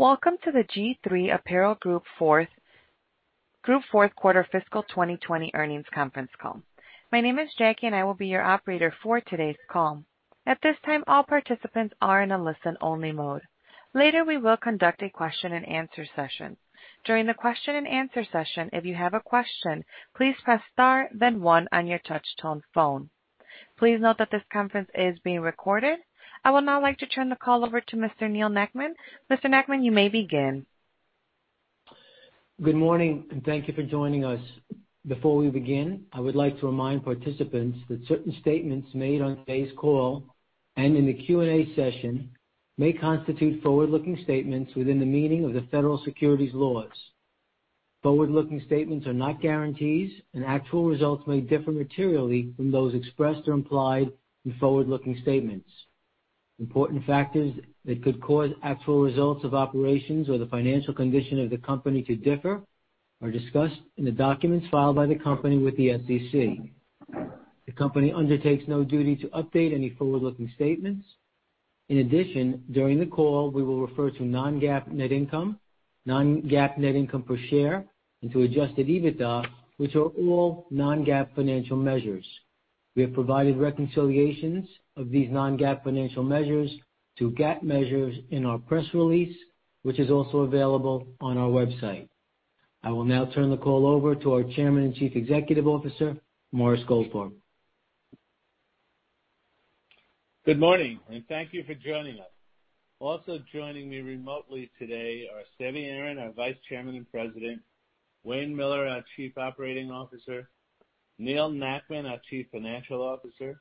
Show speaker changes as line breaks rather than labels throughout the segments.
Welcome to the G-III Apparel Group fourth quarter fiscal 2020 earnings conference call. My name is Jackie and I will be your operator for today's call. At this time, all participants are in a listen only mode. Later we will conduct a question and answer session. During the question and answer session, if you have a question, please press star then one on your touchtone phone. Please note that this conference is being recorded. I would now like to turn the call over to Mr. Neal Nackman. Mr. Nackman, you may begin.
Good morning, and thank you for joining us. Before we begin, I would like to remind participants that certain statements made on today's call and in the Q&A session may constitute forward-looking statements within the meaning of the federal securities laws. Forward-looking statements are not guarantees, and actual results may differ materially from those expressed or implied in forward-looking statements. Important factors that could cause actual results of operations or the financial condition of the company to differ are discussed in the documents filed by the company with the SEC. The company undertakes no duty to update any forward-looking statements. In addition, during the call, we will refer to non-GAAP net income, non-GAAP net income per share, and to adjusted EBITDA, which are all non-GAAP financial measures. We have provided reconciliations of these non-GAAP financial measures to GAAP measures in our press release, which is also available on our website. I will now turn the call over to our Chairman and Chief Executive Officer, Morris Goldfarb.
Good morning, and thank you for joining us. Also joining me remotely today are Sammy Aaron, our Vice Chairman and President, Wayne Miller, our Chief Operating Officer, Neal Nackman, our Chief Financial Officer,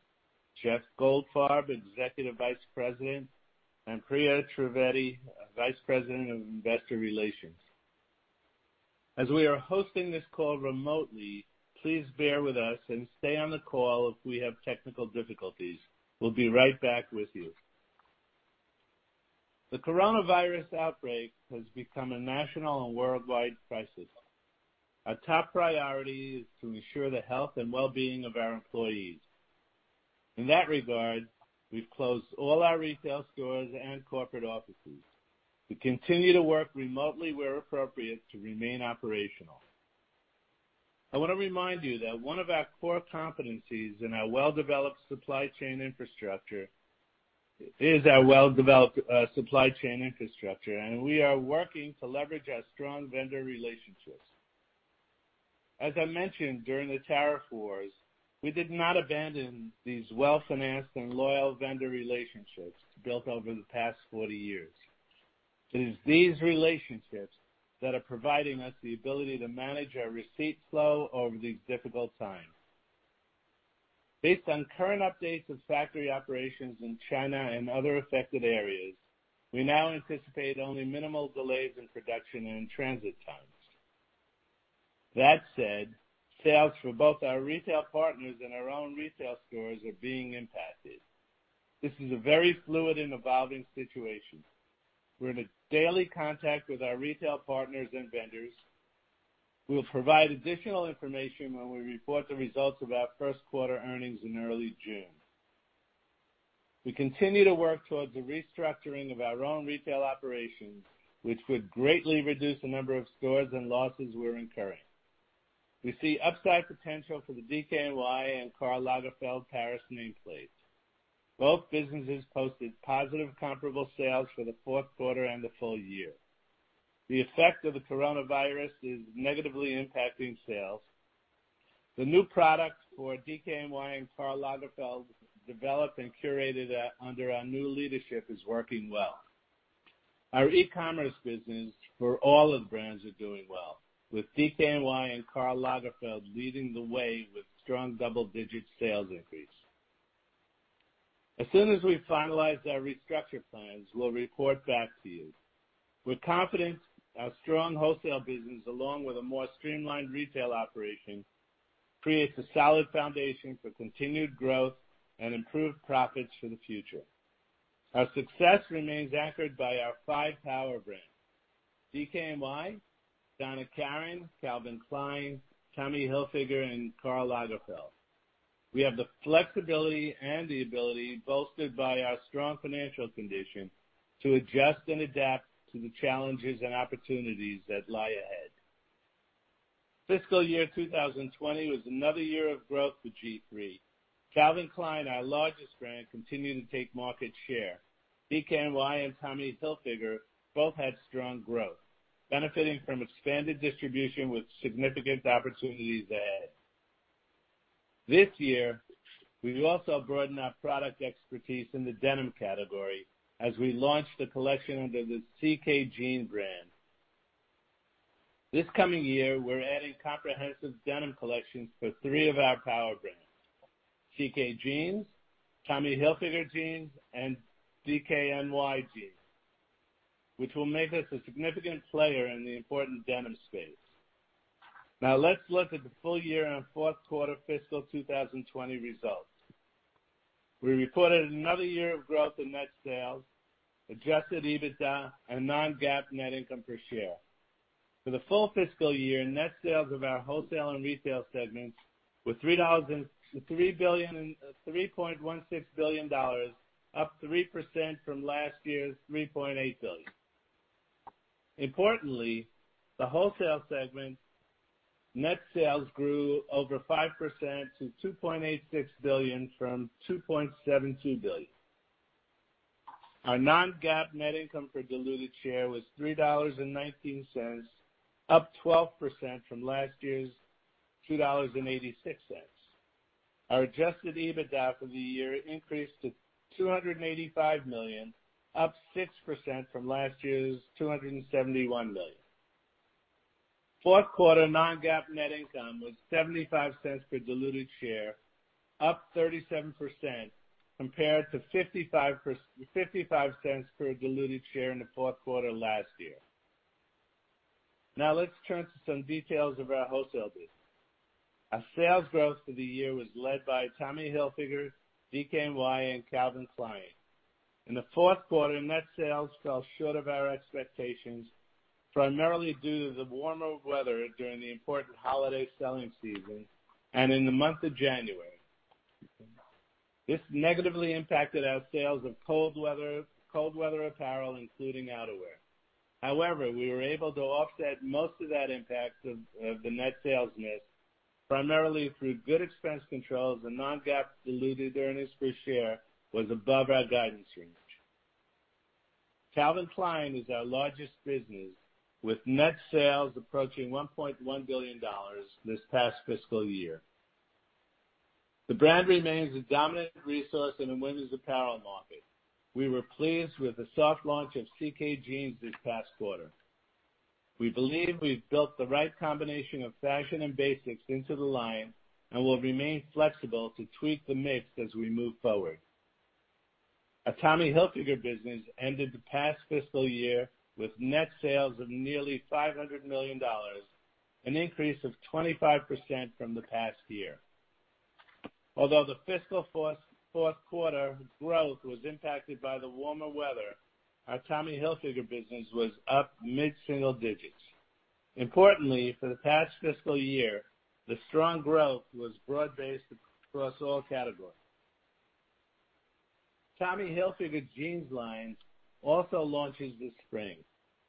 Jeff Goldfarb, Executive Vice President, and Priya Trivedi, our Vice President of Investor Relations. As we are hosting this call remotely, please bear with us and stay on the call if we have technical difficulties. We'll be right back with you. The coronavirus outbreak has become a national and worldwide crisis. Our top priority is to ensure the health and well-being of our employees. In that regard, we've closed all our retail stores and corporate offices. We continue to work remotely where appropriate to remain operational. I want to remind you that one of our core competencies in our well-developed supply chain infrastructure is our well-developed supply chain infrastructure, and we are working to leverage our strong vendor relationships. As I mentioned during the tariff wars, we did not abandon these well-financed and loyal vendor relationships built over the past 40 years. It is these relationships that are providing us the ability to manage our receipt flow over these difficult times. Based on current updates of factory operations in China and other affected areas, we now anticipate only minimal delays in production and transit times. That said, sales for both our retail partners and our own retail stores are being impacted. This is a very fluid and evolving situation. We're in a daily contact with our retail partners and vendors. We'll provide additional information when we report the results of our first quarter earnings in early June. We continue to work towards the restructuring of our own retail operations, which would greatly reduce the number of stores and losses we're incurring. We see upside potential for the DKNY and Karl Lagerfeld Paris nameplates. Both businesses posted positive comparable sales for the fourth quarter and the full year. The effect of the coronavirus is negatively impacting sales. The new product for DKNY and Karl Lagerfeld, developed and curated under our new leadership, is working well. Our e-commerce business for all the brands are doing well, with DKNY and Karl Lagerfeld leading the way with strong double-digit sales increase. As soon as we finalize our restructure plans, we'll report back to you. We're confident our strong wholesale business, along with a more streamlined retail operation, creates a solid foundation for continued growth and improved profits for the future. Our success remains anchored by our five power brands, DKNY, Donna Karan, Calvin Klein, Tommy Hilfiger, and Karl Lagerfeld. We have the flexibility and the ability, boasted by our strong financial condition, to adjust and adapt to the challenges and opportunities that lie ahead. Fiscal year 2020 was another year of growth for G-III. Calvin Klein, our largest brand, continued to take market share. DKNY and Tommy Hilfiger both had strong growth, benefiting from expanded distribution with significant opportunities ahead. This year, we will also broaden our product expertise in the denim category as we launch the collection under the CK Jean brand. This coming year, we're adding comprehensive denim collections for three of our power brands, CK Jeans, Tommy Hilfiger Jeans, and DKNY Jeans, which will make us a significant player in the important denim space. Let's look at the full year and fourth quarter fiscal 2020 results. We reported another year of growth in net sales, adjusted EBITDA, and non-GAAP net income per share. For the full fiscal year, net sales of our wholesale and retail segments were $3.16 billion, up 3% from last year's $3.08 billion. Importantly, the wholesale segment net sales grew over 5% to $2.86 billion from $2.72 billion. Our non-GAAP net income for diluted share was $3.19, up 12% from last year's $2.86. Our adjusted EBITDA for the year increased to $285 million, up 6% from last year's $271 million. Fourth quarter non-GAAP net income was $0.75 per diluted share, up 37%, compared to $0.55 per diluted share in the fourth quarter last year. Let's turn to some details of our wholesale business. Our sales growth for the year was led by Tommy Hilfiger, DKNY, and Calvin Klein. In the fourth quarter, net sales fell short of our expectations, primarily due to the warmer weather during the important holiday selling season and in the month of January. This negatively impacted our sales of cold weather apparel, including outerwear. We were able to offset most of that impact of the net sales miss primarily through good expense controls and non-GAAP diluted earnings per share was above our guidance range. Calvin Klein is our largest business, with net sales approaching $1.1 billion this past fiscal year. The brand remains a dominant resource in the women's apparel market. We were pleased with the soft launch of CK Jeans this past quarter. We believe we've built the right combination of fashion and basics into the line and will remain flexible to tweak the mix as we move forward. Our Tommy Hilfiger business ended the past fiscal year with net sales of nearly $500 million, an increase of 25% from the past year. Although the fiscal fourth quarter growth was impacted by the warmer weather, our Tommy Hilfiger business was up mid-single digits. Importantly, for the past fiscal year, the strong growth was broad-based across all categories. Tommy Hilfiger Jeans line also launches this spring.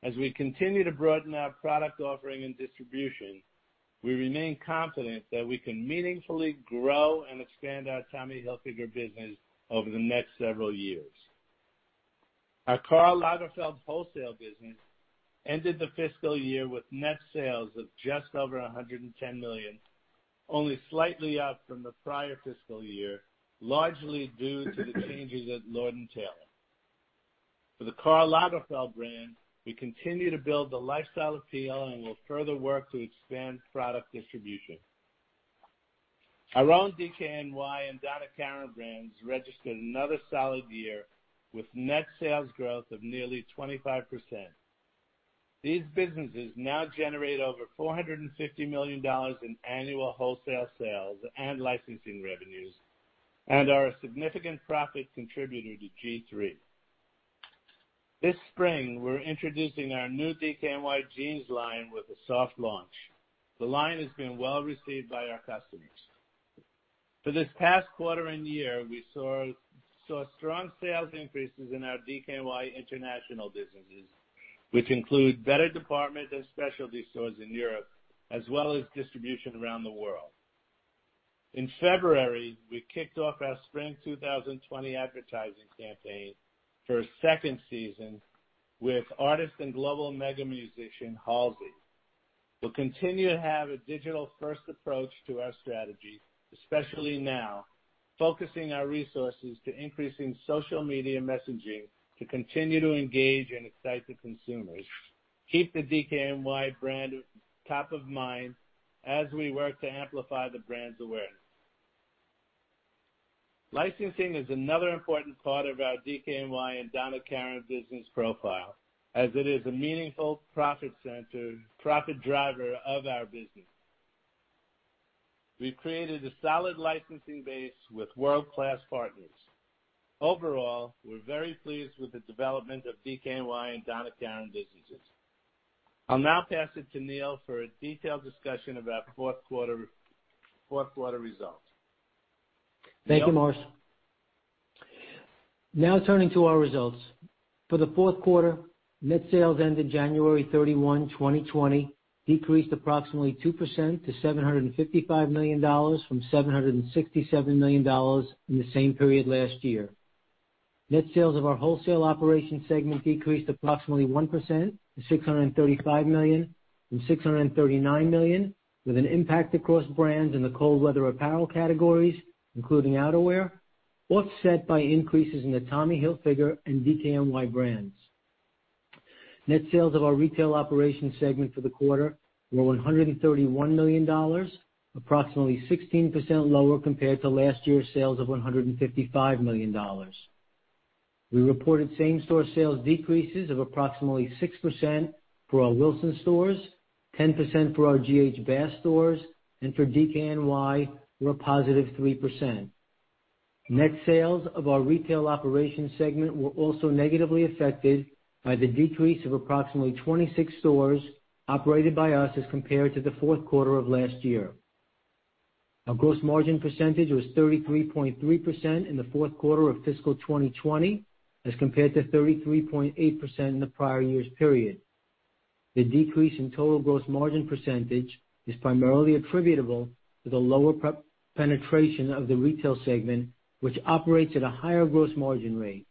As we continue to broaden our product offering and distribution, we remain confident that we can meaningfully grow and expand our Tommy Hilfiger business over the next several years. Our Karl Lagerfeld wholesale business ended the fiscal year with net sales of just over $110 million, only slightly up from the prior fiscal year, largely due to the changes at Lord & Taylor. For the Karl Lagerfeld brand, we continue to build the lifestyle appeal and will further work to expand product distribution. Our own DKNY and Donna Karan brands registered another solid year with net sales growth of nearly 25%. These businesses now generate over $450 million in annual wholesale sales and licensing revenues and are a significant profit contributor to G-III. This spring, we're introducing our new DKNY Jeans line with a soft launch. The line has been well received by our customers. For this past quarter and year, we saw strong sales increases in our DKNY international businesses, which include better department and specialty stores in Europe, as well as distribution around the world. In February, we kicked off our spring 2020 advertising campaign for a second season with artist and global mega musician, Halsey. We'll continue to have a digital-first approach to our strategy, especially now, focusing our resources to increasing social media messaging to continue to engage and excite the consumers, keep the DKNY brand top of mind as we work to amplify the brand's awareness. Licensing is another important part of our DKNY and Donna Karan business profile, as it is a meaningful profit center, profit driver of our business. We've created a solid licensing base with world-class partners. Overall, we're very pleased with the development of DKNY and Donna Karan businesses. I'll now pass it to Neal for a detailed discussion of our fourth quarter results. Neal?
Thank you, Morris. Now turning to our results. For the fourth quarter, net sales ended January 31, 2020, decreased approximately 2% to $755 million from $767 million in the same period last year. Net sales of our wholesale operation segment decreased approximately 1% to $635 million from $639 million, with an impact across brands in the cold weather apparel categories, including outerwear, offset by increases in the Tommy Hilfiger and DKNY brands. Net sales of our retail operation segment for the quarter were $131 million, approximately 16% lower compared to last year's sales of $155 million. We reported same-store sales decreases of approximately 6% for our Wilsons stores, 10% for our G.H. Bass stores, and for DKNY, were a positive 3%. Net sales of our retail operations segment were also negatively affected by the decrease of approximately 26 stores operated by us as compared to the fourth quarter of last year. Our gross margin percentage was 33.3% in the fourth quarter of fiscal 2020, as compared to 33.8% in the prior year's period. The decrease in total gross margin percentage is primarily attributable to the lower penetration of the retail segment, which operates at a higher gross margin rate.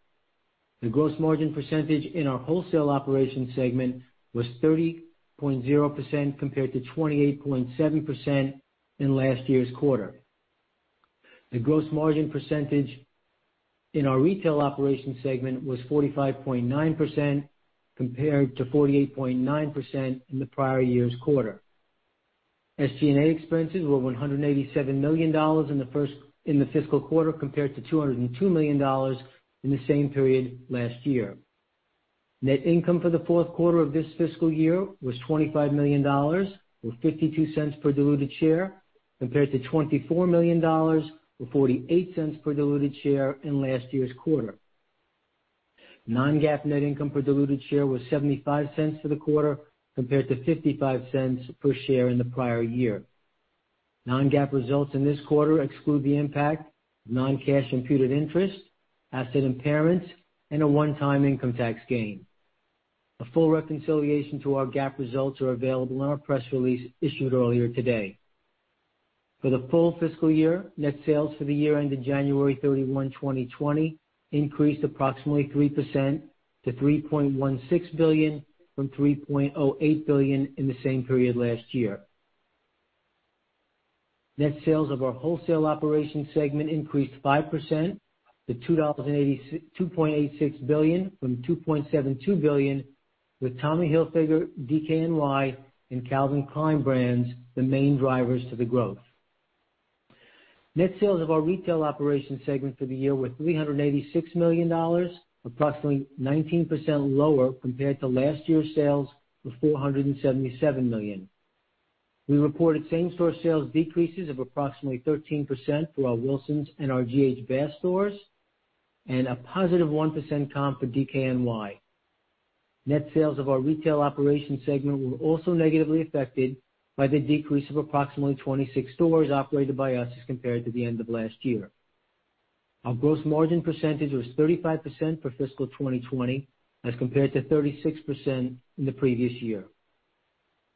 The gross margin percentage in our wholesale operations segment was 30.0%, compared to 28.7% in last year's quarter. The gross margin percentage in our retail operations segment was 45.9%, compared to 48.9% in the prior year's quarter. SG&A expenses were $187 million in the fiscal quarter, compared to $202 million in the same period last year. Net income for the fourth quarter of this fiscal year was $25 million, or $0.52 per diluted share, compared to $24 million, or $0.48 per diluted share in last year's quarter. Non-GAAP net income per diluted share was $0.75 for the quarter, compared to $0.55 per share in the prior year. non-GAAP results in this quarter exclude the impact of non-cash imputed interest, asset impairments, and a one-time income tax gain. A full reconciliation to our GAAP results are available in our press release issued earlier today. For the full fiscal year, net sales for the year ended January 31, 2020 increased approximately 3% to $3.16 billion from $3.08 billion in the same period last year. Net sales of our wholesale operations segment increased 5% to $2.86 billion from $2.72 billion, with Tommy Hilfiger, DKNY, and Calvin Klein brands the main drivers to the growth. Net sales of our retail operations segment for the year were $386 million, approximately 19% lower compared to last year's sales of $477 million. We reported same-store sales decreases of approximately 13% for our Wilsons and our G.H. Bass stores, and a positive 1% comp for DKNY. Net sales of our retail operations segment were also negatively affected by the decrease of approximately 26 stores operated by us as compared to the end of last year. Our gross margin percentage was 35% for fiscal 2020, as compared to 36% in the previous year.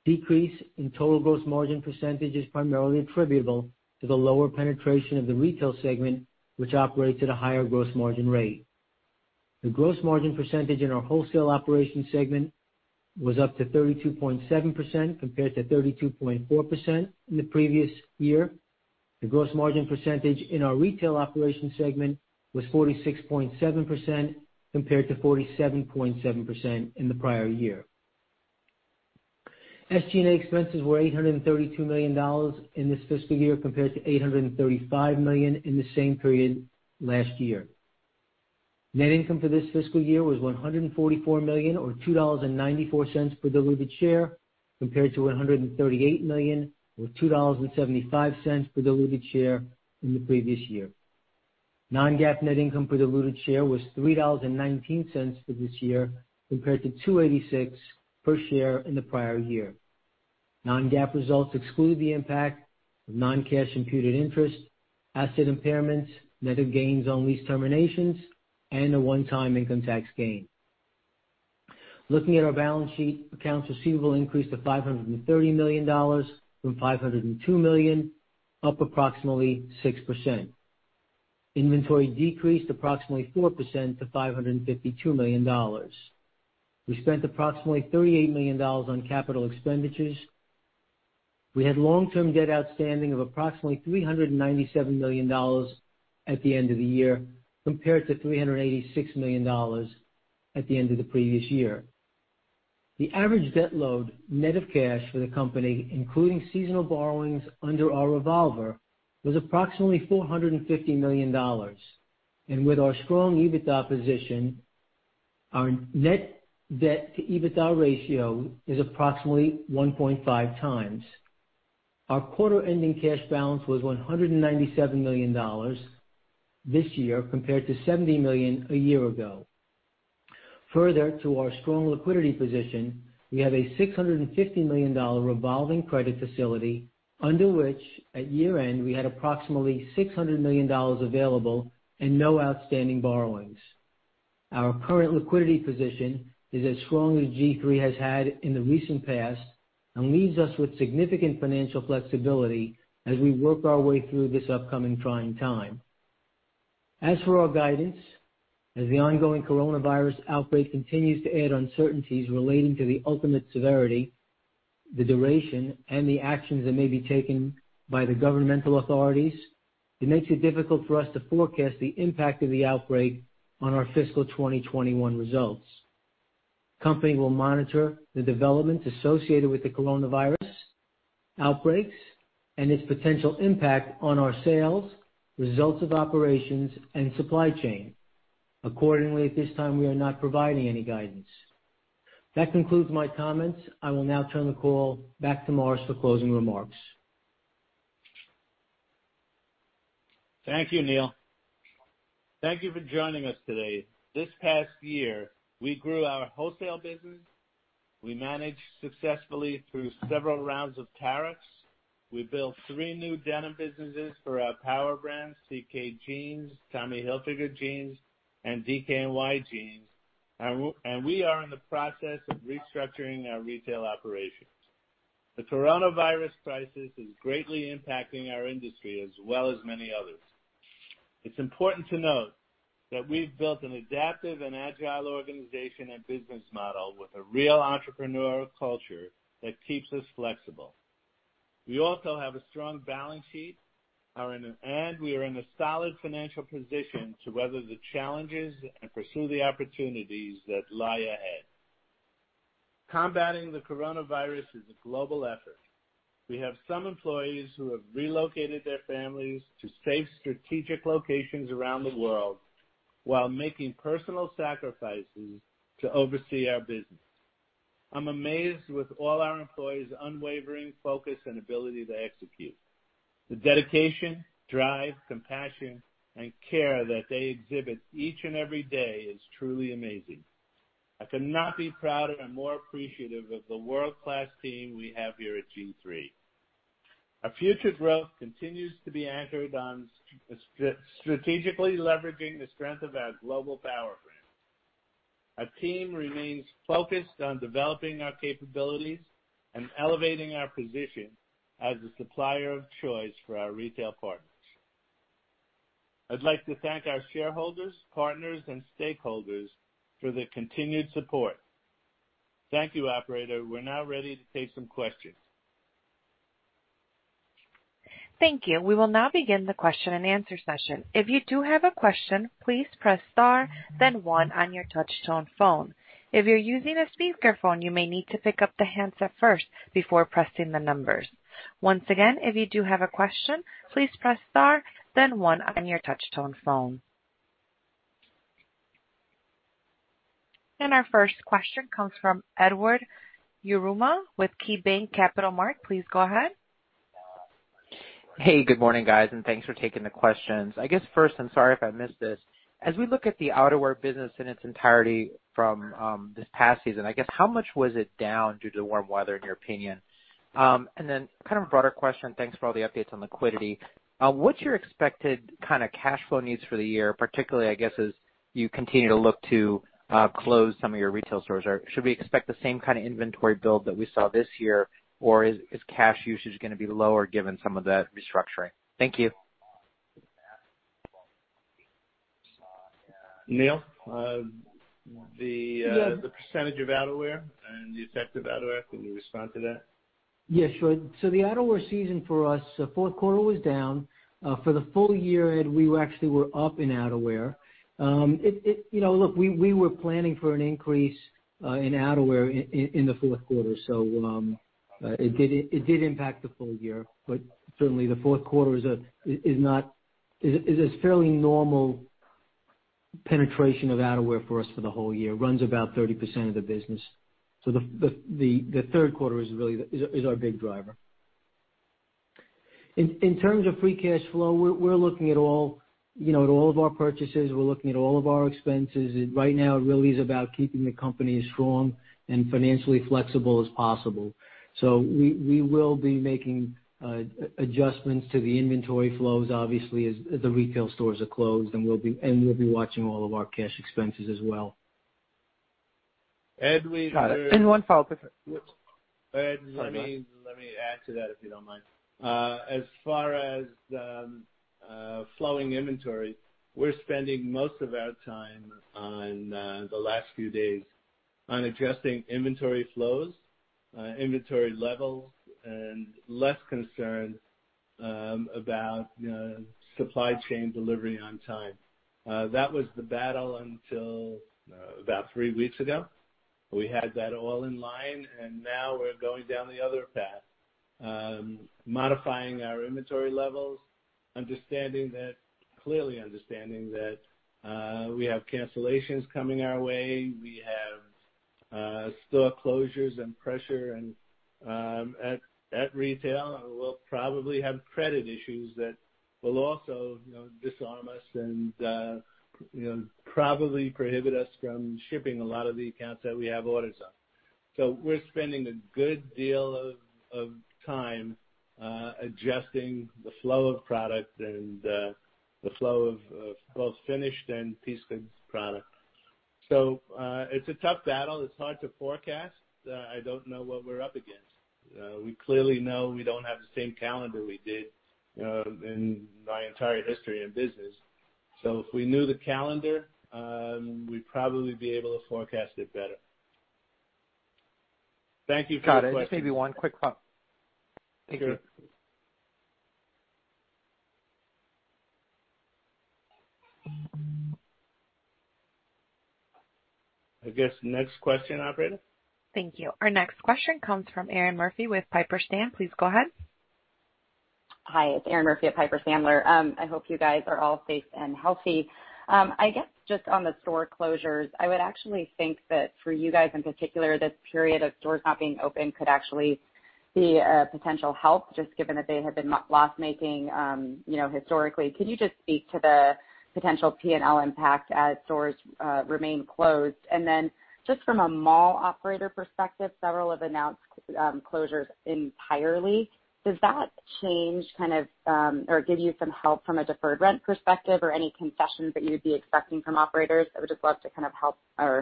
Decrease in total gross margin percentage is primarily attributable to the lower penetration of the retail segment, which operates at a higher gross margin rate. The gross margin percentage in our wholesale operations segment was up to 32.7%, compared to 32.4% in the previous year. The gross margin percentage in our retail operations segment was 46.7%, compared to 47.7% in the prior year. SG&A expenses were $832 million in this fiscal year, compared to $835 million in the same period last year. Net income for this fiscal year was $144 million, or $2.94 per diluted share, compared to $138 million or $2.75 per diluted share in the previous year. Non-GAAP net income per diluted share was $3.19 for this year, compared to $2.86 per share in the prior year. Non-GAAP results exclude the impact of non-cash imputed interest, asset impairments, net of gains on lease terminations, and a one-time income tax gain. Looking at our balance sheet, accounts receivable increased to $530 million from $502 million, up approximately 6%. Inventory decreased approximately 4% to $552 million. We spent approximately $38 million on capital expenditures. We had long-term debt outstanding of approximately $397 million at the end of the year, compared to $386 million at the end of the previous year. The average debt load net of cash for the company, including seasonal borrowings under our revolver, was approximately $450 million. With our strong EBITDA position, our net debt to EBITDA ratio is approximately 1.5x. Our quarter-ending cash balance was $197 million this year, compared to $70 million a year ago. Further to our strong liquidity position, we have a $650 million revolving credit facility, under which, at year-end, we had approximately $600 million available and no outstanding borrowings. Our current liquidity position is as strong as G-III has had in the recent past and leaves us with significant financial flexibility as we work our way through this upcoming trying time. As for our guidance, as the ongoing coronavirus outbreak continues to add uncertainties relating to the ultimate severity, the duration, and the actions that may be taken by the governmental authorities, it makes it difficult for us to forecast the impact of the outbreak on our fiscal 2021 results. The company will monitor the developments associated with the coronavirus outbreaks and its potential impact on our sales, results of operations, and supply chain. Accordingly, at this time, we are not providing any guidance. That concludes my comments. I will now turn the call back to Morris for closing remarks.
Thank you, Neal. Thank you for joining us today. This past year, we grew our wholesale business. We managed successfully through several rounds of tariffs. We built three new denim businesses for our power brands, CK Jeans, Tommy Hilfiger Jeans, and DKNY Jeans. We are in the process of restructuring our retail operations. The coronavirus crisis is greatly impacting our industry as well as many others. It's important to note that we've built an adaptive and agile organization and business model with a real entrepreneurial culture that keeps us flexible. We also have a strong balance sheet, and we are in a solid financial position to weather the challenges and pursue the opportunities that lie ahead. Combating the coronavirus is a global effort. We have some employees who have relocated their families to safe, strategic locations around the world while making personal sacrifices to oversee our business. I'm amazed with all our employees' unwavering focus and ability to execute. The dedication, drive, compassion, and care that they exhibit each and every day is truly amazing. I could not be prouder and more appreciative of the world-class team we have here at G-III. Our future growth continues to be anchored on strategically leveraging the strength of our global power brands. Our team remains focused on developing our capabilities and elevating our position as the supplier of choice for our retail partners. I'd like to thank our shareholders, partners, and stakeholders for their continued support. Thank you, operator. We're now ready to take some questions.
Thank you. We will now begin the question and answer session. If you do have a question, please press star then one on your touch-tone phone. If you're using a speakerphone, you may need to pick up the handset first before pressing the numbers. Once again, if you do have a question, please press star then one on your touch-tone phone. Our first question comes from Edward Yruma with KeyBanc Capital Markets. Please go ahead.
Hey, good morning, guys, and thanks for taking the questions. I guess first, I'm sorry if I missed this. As we look at the outerwear business in its entirety from this past season, I guess, how much was it down due to the warm weather, in your opinion? Kind of a broader question, thanks for all the updates on liquidity. What's your expected cash flow needs for the year, particularly, I guess, as you continue to look to close some of your retail stores? Should we expect the same kind of inventory build that we saw this year, or is cash usage gonna be lower given some of that restructuring? Thank you.
Neal, the percentage of outerwear and the effect of outerwear. Can you respond to that?
Yeah, sure. The outerwear season for us, fourth quarter was down. For the full year, Ed, we actually were up in outerwear. Look, we were planning for an increase in outerwear in the fourth quarter, so it did impact the full year. Certainly, the fourth quarter is a fairly normal penetration of outerwear for us for the whole year. Runs about 30% of the business. The third quarter is our big driver. In terms of free cash flow, we're looking at all of our purchases. We're looking at all of our expenses. Right now, it really is about keeping the company as strong and financially flexible as possible. We will be making adjustments to the inventory flows, obviously, as the retail stores are closed, and we'll be watching all of our cash expenses as well.
Ed.
Got it. One follow-up.
Ed, let me add to that if you don't mind. As far as the flowing inventory, we're spending most of our time on the last few days on adjusting inventory flows, inventory levels, and less concerned about supply chain delivery on time. That was the battle until about three weeks ago. We had that all in line, and now we're going down the other path. Modifying our inventory levels, clearly understanding that we have cancellations coming our way. We have store closures and pressure at retail, and we'll probably have credit issues that will also disarm us and probably prohibit us from shipping a lot of the accounts that we have orders on. We're spending a good deal of time adjusting the flow of product and the flow of both finished and piece goods product. It's a tough battle. It's hard to forecast. I don't know what we're up against. We clearly know we don't have the same calendar we did in my entire history in business. If we knew the calendar, we'd probably be able to forecast it better. Thank you for your question.
Got it. Just maybe one quick follow-up. Thank you.
Sure. I guess next question, operator.
Thank you. Our next question comes from Erinn Murphy with Piper Sandler. Please go ahead.
Hi, it's Erinn Murphy at Piper Sandler. I hope you guys are all safe and healthy. I guess just on the store closures, I would actually think that for you guys in particular, this period of stores not being open could actually be a potential help, just given that they have been loss-making historically. Can you just speak to the potential P&L impact as stores remain closed? Just from a mall operator perspective, several have announced closures entirely. Does that change or give you some help from a deferred rent perspective or any concessions that you'd be expecting from operators? I would just love to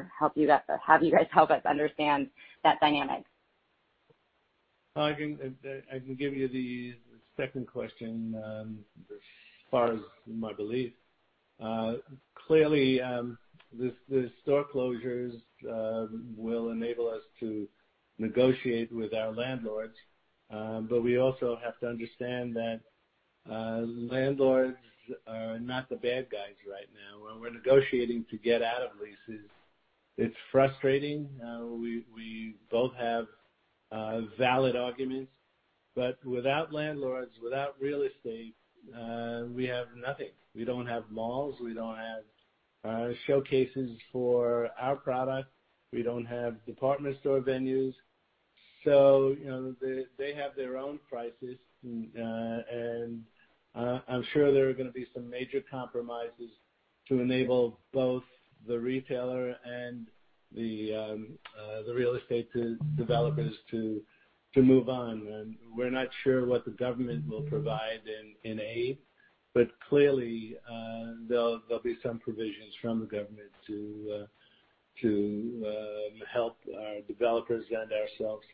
have you guys help us understand that dynamic.
I can give you the second question as far as my belief. Clearly, the store closures will enable us to negotiate with our landlords. We also have to understand that landlords are not the bad guys right now. When we're negotiating to get out of leases, it's frustrating. We both have valid arguments, but without landlords, without real estate, we have nothing. We don't have malls. We don't have showcases for our product. We don't have department store venues. They have their own prices, and I'm sure there are going to be some major compromises to enable both the retailer and the real estate developers to move on. We're not sure what the government will provide in aid. Clearly, there'll be some provisions from the government to help our developers and ourselves.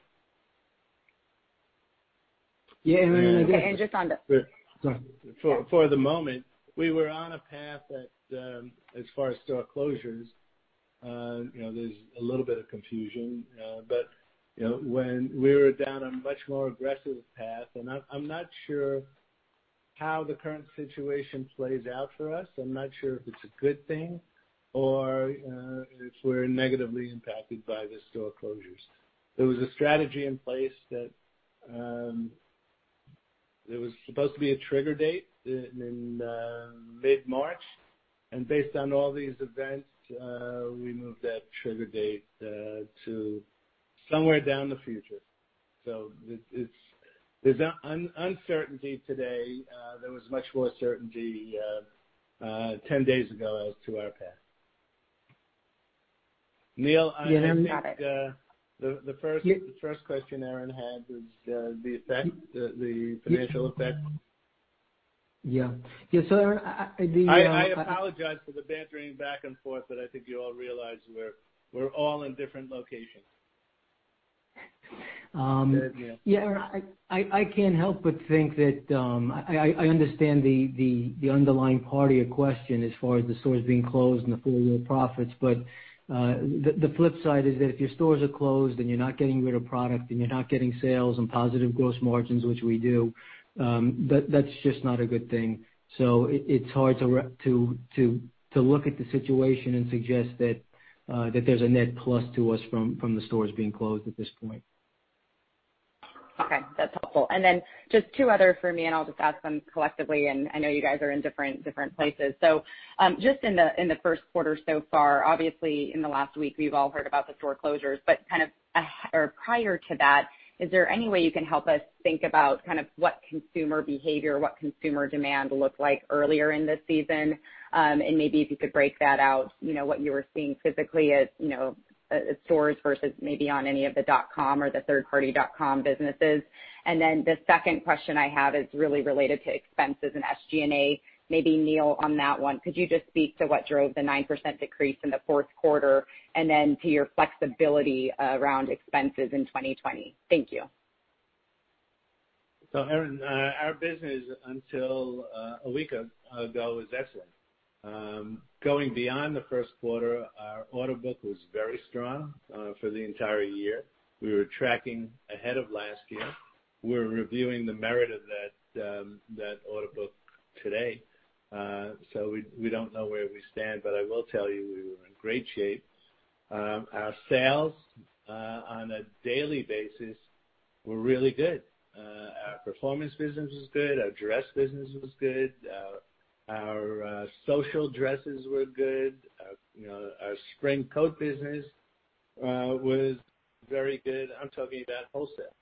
Yeah.
And just on the.
For the moment, we were on a path that as far as store closures, there's a little bit of confusion. When we were down a much more aggressive path, I'm not sure how the current situation plays out for us. I'm not sure if it's a good thing or if we're negatively impacted by the store closures. There was a strategy in place that there was supposed to be a trigger date in mid-March. Based on all these events, we moved that trigger date to somewhere down the future. There's uncertainty today. There was much more certainty 10 days ago as to our path. Neal, I think the first question Erinn had is the financial effect.
Yeah. Erinn.
I apologize for the bantering back and forth, but I think you all realize we're all in different locations. Go ahead, Neal.
Yeah, Erinn, I can't help but think that I understand the underlying party of question as far as the stores being closed and the full-year profits. The flip side is that if your stores are closed and you're not getting rid of product and you're not getting sales and positive gross margins, which we do, that's just not a good thing. It's hard to look at the situation and suggest that there's a net plus to us from the stores being closed at this point.
Okay, that's helpful. Just two other for me, I'll just ask them collectively, I know you guys are in different places. Just in the first quarter so far, obviously, in the last week, we've all heard about the store closures, but kind of prior to that, is there any way you can help us think about what consumer behavior, what consumer demand looked like earlier in the season? Maybe if you could break that out, what you were seeing physically at stores versus maybe on any of the dotcom or the third-party dotcom businesses. The second question I have is really related to expenses and SG&A. Maybe Neal on that one, could you just speak to what drove the 9% decrease in the fourth quarter and then to your flexibility around expenses in 2020? Thank you.
Erinn, our business until a week ago was excellent. Going beyond the first quarter, our order book was very strong for the entire year. We were tracking ahead of last year. We're reviewing the merit of that order book today. We don't know where we stand, but I will tell you we were in great shape. Our sales on a daily basis were really good. Our performance business was good. Our dress business was good. Our social dresses were good. Our spring coat business was very good. I'm talking about wholesale.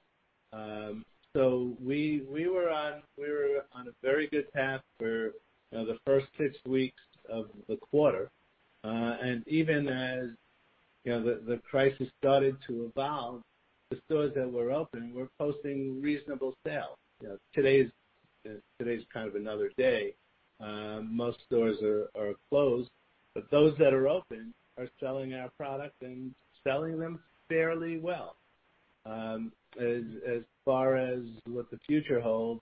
We were on a very good path for the first six weeks of the quarter. Even as the crisis started to abound, the stores that were open were posting reasonable sales. Today is kind of another day. Most stores are closed, but those that are open are selling our product and selling them fairly well. As far as what the future holds,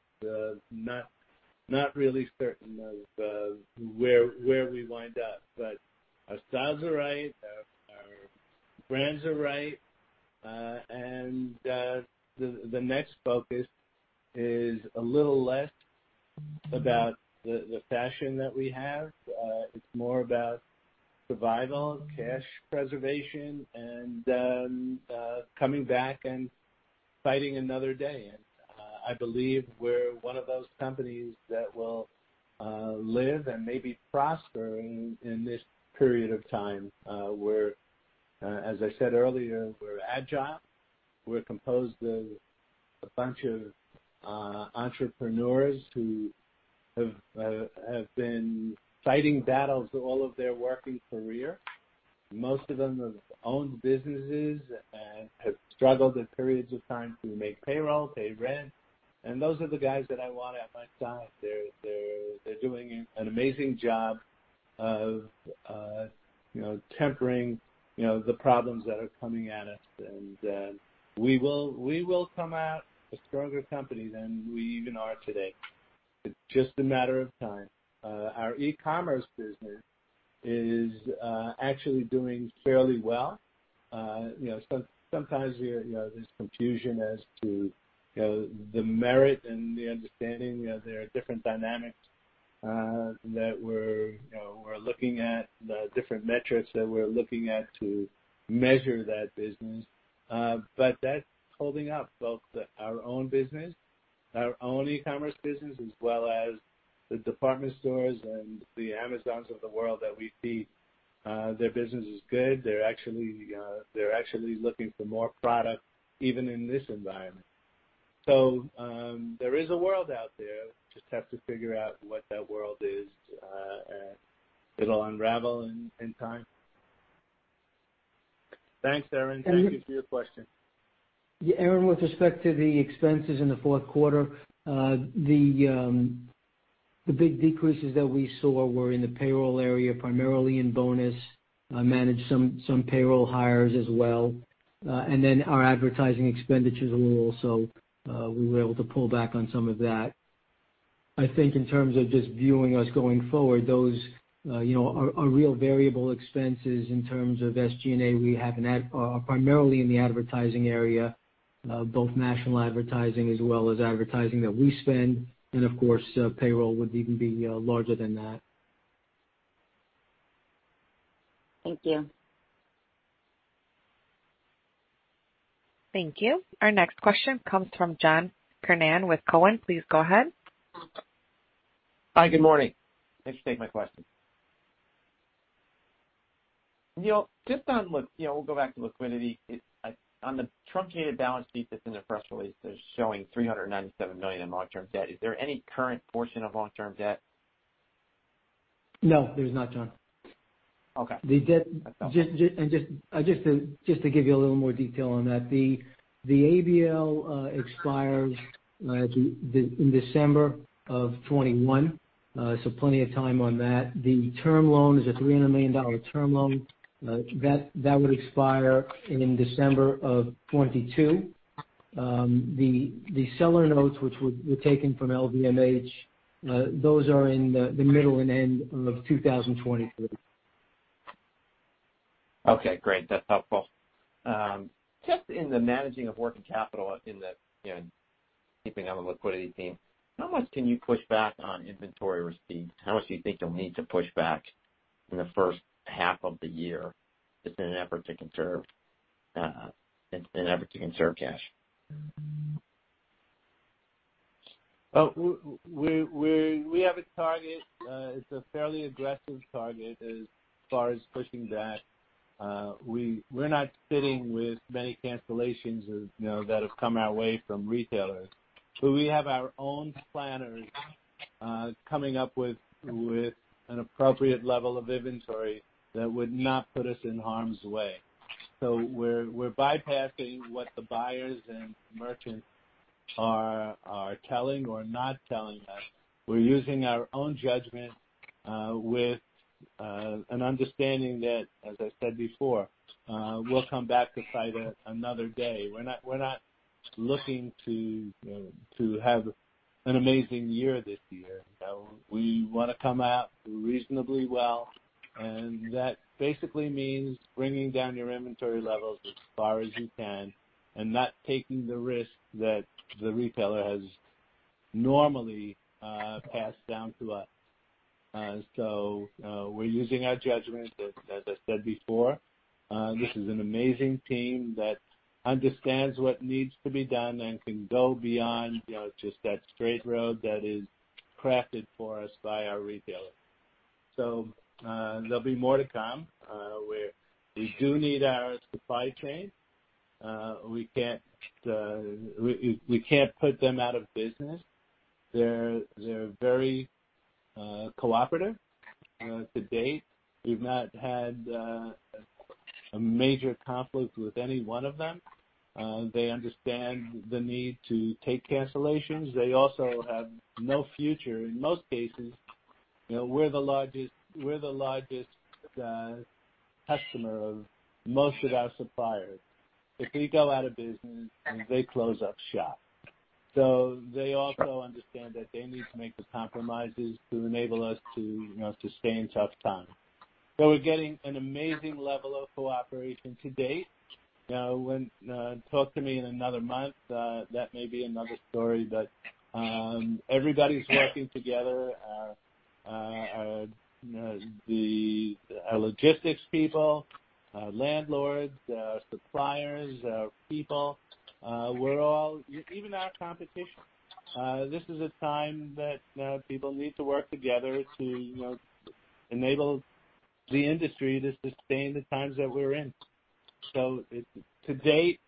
not really certain of where we wind up. Our styles are right, our brands are right, and the next focus is a little less about the fashion that we have. It's more about survival, cash preservation, and then coming back and fighting another day. I believe we're one of those companies that will live and maybe prosper in this period of time, where, as I said earlier, we're agile, we're composed of a bunch of entrepreneurs who have been fighting battles all of their working career. Most of them have owned businesses and have struggled at periods of time to make payroll, pay rent, and those are the guys that I want at my side. They're doing an amazing job of tempering the problems that are coming at us. We will come out a stronger company than we even are today. It's just a matter of time. Our e-commerce business is actually doing fairly well. Sometimes there's confusion as to the merit and the understanding. There are different dynamics that we're looking at, the different metrics that we're looking at to measure that business. That's holding up both our own business, our own e-commerce business, as well as the department stores and the Amazons of the world that we feed. Their business is good. They're actually looking for more product even in this environment. There is a world out there. Just have to figure out what that world is, and it'll unravel in time. Thanks, Erinn. Thank you for your question.
Erinn, with respect to the expenses in the fourth quarter, the big decreases that we saw were in the payroll area, primarily in bonus. I managed some payroll hires as well. Our advertising expenditures were low, so we were able to pull back on some of that. I think in terms of just viewing us going forward, those are real variable expenses in terms of SG&A. Primarily in the advertising area, both national advertising as well as advertising that we spend. Of course, payroll would even be larger than that.
Thank you.
Thank you. Our next question comes from John Kernan with Cowen. Please go ahead.
Hi, good morning. Thanks for taking my question. Neal, we'll go back to liquidity. On the truncated balance sheet that's in the press release, they're showing $397 million in long-term debt. Is there any current portion of long-term debt?
No, there's not, John.
Okay.
Just to give you a little more detail on that, the ABL expires in December of 2021. Plenty of time on that. The term loan is a $300 million term loan. That would expire in December of 2022. The seller notes, which were taken from LVMH, those are in the middle and end of 2023.
Okay, great. That's helpful. In the managing of working capital, keeping on the liquidity theme, how much can you push back on inventory receipts? How much do you think you'll need to push back in the first half of the year just in an effort to conserve cash?
We have a target. It's a fairly aggressive target as far as pushing back. We're not sitting with many cancellations that have come our way from retailers. We have our own planners coming up with an appropriate level of inventory that would not put us in harm's way. We're bypassing what the buyers and merchants are telling or not telling us. We're using our own judgment with an understanding that, as I said before, we'll come back to fight another day. We're not looking to have an amazing year this year. We want to come out reasonably well, and that basically means bringing down your inventory levels as far as you can and not taking the risk that the retailer has normally passed down to us. We're using our judgment. As I said before, this is an amazing team that understands what needs to be done and can go beyond just that straight road that is crafted for us by our retailers. There'll be more to come. We do need our supply chain. We can't put them out of business. They're very cooperative to date. We've not had a major conflict with any one of them. They understand the need to take cancellations. They also have no future in most cases. We're the largest customer of most of our suppliers. If we go out of business, they close up shop. They also understand that they need to make the compromises to enable us to stay in tough times. We're getting an amazing level of cooperation to date. Talk to me in another month, that may be another story. Everybody's working together. Our logistics people, our landlords, our suppliers, our people, we're all even our competition. This is a time that people need to work together to enable the industry to sustain the times that we're in. To date,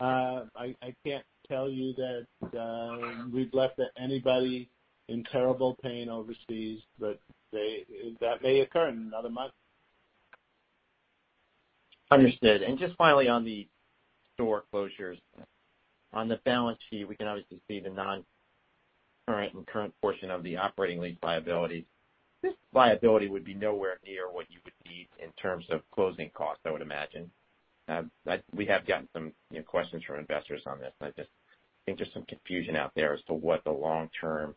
I can't tell you that we've left anybody in terrible pain overseas, but that may occur in another month.
Understood. Just finally, on the store closures. On the balance sheet, we can obviously see the non-current and current portion of the operating lease liability. This liability would be nowhere near what you would need in terms of closing costs, I would imagine. We have gotten some questions from investors on this. I just think there's some confusion out there as to what the long term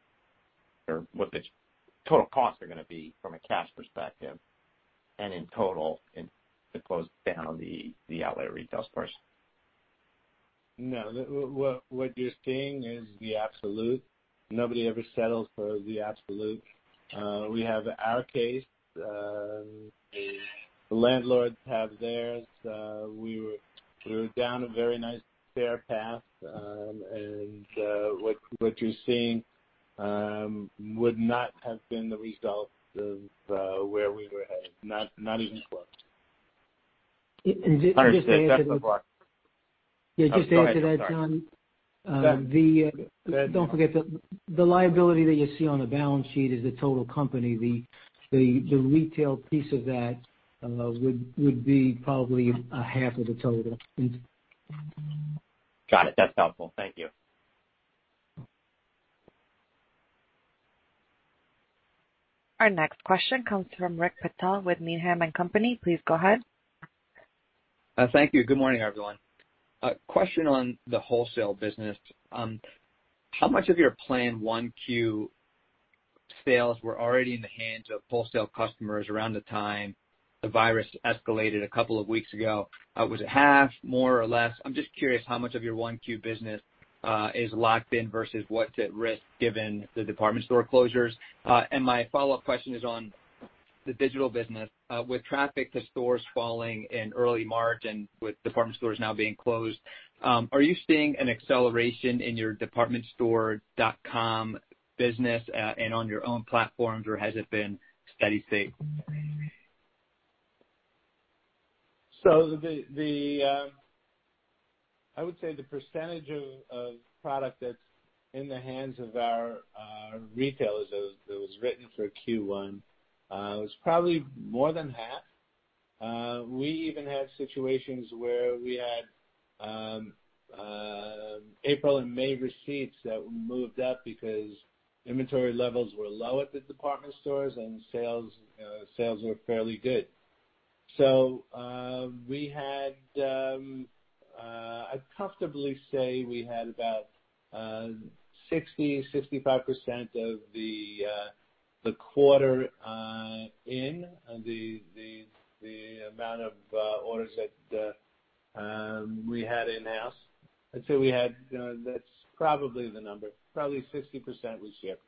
or what the total costs are going to be from a cash perspective and in total to close down the outlet retail stores.
No. What you're seeing is the absolute. Nobody ever settles for the absolute. We have our case. The landlords have theirs. We were down a very nice fair path. What you're seeing would not have been the result of where we were headed, not even close.
Understood.
Just to add to that.
Oh, sorry.
Just to add to that, John.
Go ahead.
Don't forget, the liability that you see on the balance sheet is the total company. The retail piece of that would be probably half of the total.
Got it. That's helpful. Thank you.
Our next question comes from Rick Patel with Needham & Company. Please go ahead.
Thank you. Good morning, everyone. A question on the wholesale business. How much of your planned 1Q sales were already in the hands of wholesale customers around the time the virus escalated a couple of weeks ago? Was it half, more, or less? I'm just curious how much of your 1Q business is locked in versus what's at risk given the department store closures. My follow-up question is on the digital business. With traffic to stores falling in early March and with department stores now being closed, are you seeing an acceleration in your departmentstore.com business and on your own platforms, or has it been steady state?
I would say the percentage of product that's in the hands of our retailers that was written for Q1 was probably more than half. We even had situations where we had April and May receipts that moved up because inventory levels were low at the department stores and sales were fairly good. I'd comfortably say we had about 60%, 65% of the quarter in the amount of orders that we had in-house. I'd say that's probably the number, probably 60% was shipped.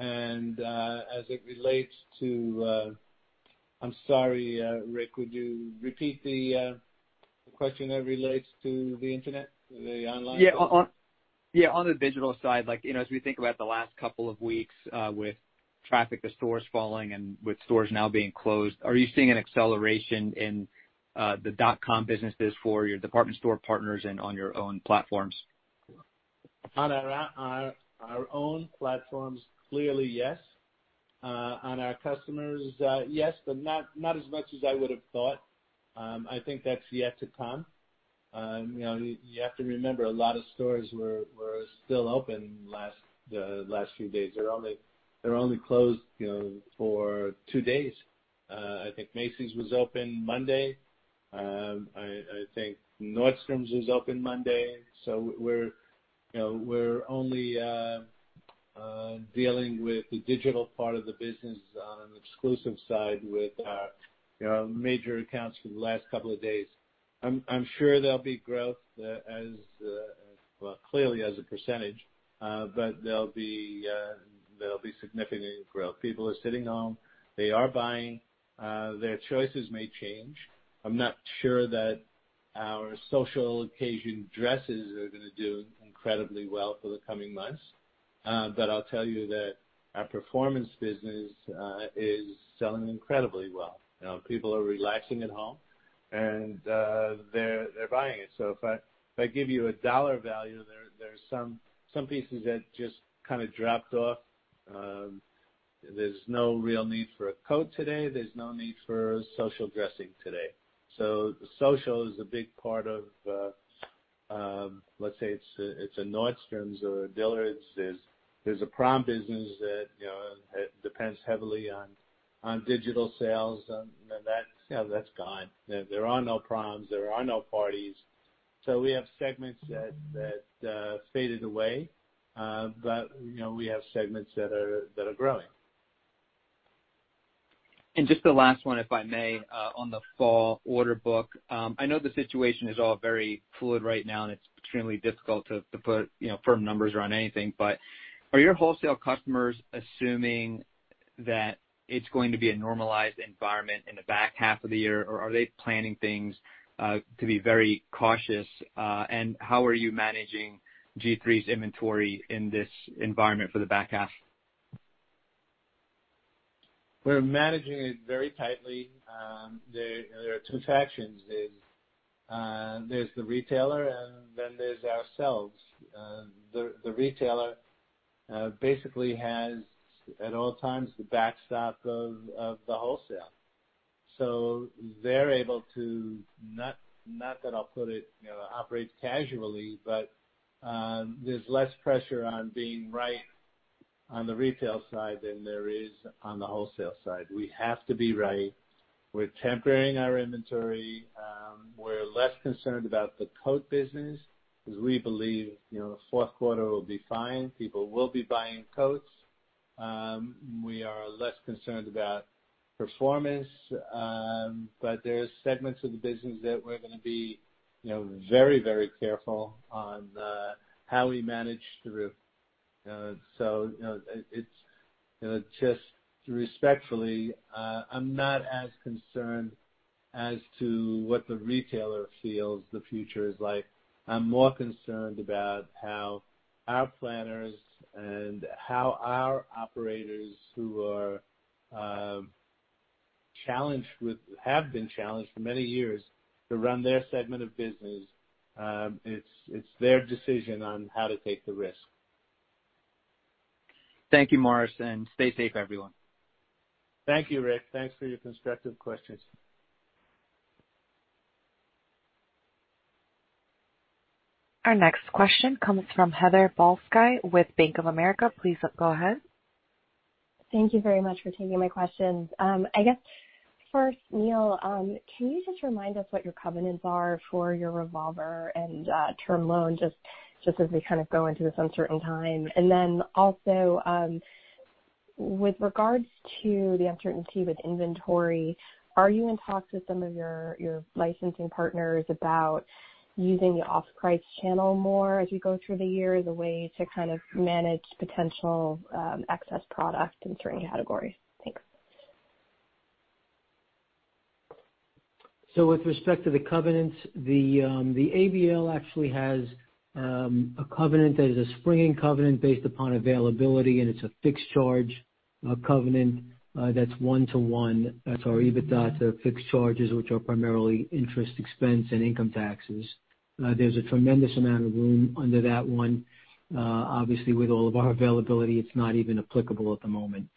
As it relates to I'm sorry, Rick, would you repeat the question that relates to the Internet, the online?
Yeah. On the digital side, as we think about the last couple of weeks with traffic to stores falling and with stores now being closed, are you seeing an acceleration in the dotcom businesses for your department store partners and on your own platforms?
On our own platforms, clearly, yes. On our customers, yes, but not as much as I would have thought. I think that's yet to come. You have to remember, a lot of stores were still open the last few days. They were only closed for two days. I think Macy's was open Monday. I think Nordstrom was open Monday. We're only dealing with the digital part of the business on an exclusive side with our major accounts for the last couple of days. I'm sure there'll be growth, clearly as a percentage, but there'll be significant growth. People are sitting home. They are buying. Their choices may change. I'm not sure that our social occasion dresses are going to do incredibly well for the coming months. I'll tell you that our performance business is selling incredibly well. People are relaxing at home, and they're buying it. If I give you a dollar value, there's some pieces that just kind of dropped off. There's no real need for a coat today. There's no need for social dressing today. Social is a big part of, let's say, it's a Nordstrom or a Dillard's. There's a prom business that depends heavily on digital sales and, yeah, that's gone. There are no proms, there are no parties. We have segments that faded away, but we have segments that are growing.
Just the last one, if I may, on the fall order book. I know the situation is all very fluid right now, and it's extremely difficult to put firm numbers around anything. Are your wholesale customers assuming that it's going to be a normalized environment in the back half of the year, or are they planning things to be very cautious? How are you managing G-III's inventory in this environment for the back half?
We're managing it very tightly. There are two factions. There's the retailer, and then there's ourselves. The retailer basically has, at all times, the backstop of the wholesale. They're able to, not that I'll put it, operate casually, but there's less pressure on being right on the retail side than there is on the wholesale side. We have to be right. We're tempering our inventory. We're less concerned about the coat business because we believe fourth quarter will be fine. People will be buying coats. We are less concerned about performance, but there are segments of the business that we're going to be very careful on how we manage through. It's just respectfully, I'm not as concerned as to what the retailer feels the future is like. I'm more concerned about how our planners and how our operators who have been challenged for many years to run their segment of business. It's their decision on how to take the risk.
Thank you, Morris, and stay safe, everyone.
Thank you, Rick. Thanks for your constructive questions.
Our next question comes from Heather Balsky with Bank of America. Please go ahead.
Thank you very much for taking my questions. I guess first, Neal, can you just remind us what your covenants are for your revolver and term loan, just as we kind of go into this uncertain time? Then also, with regards to the uncertainty with inventory, are you in talks with some of your licensing partners about using the off-price channel more as we go through the year as a way to kind of manage potential excess product in certain categories? Thanks.
With respect to the covenants, the ABL actually has a covenant that is a springing covenant based upon availability, and it's a fixed charge covenant that's 1:1. That's our EBITDA to fixed charges, which are primarily interest, expense, and income taxes. There's a tremendous amount of room under that one. Obviously, with all of our availability, it's not even applicable at the moment.